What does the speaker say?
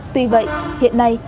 tuy vậy hiện nay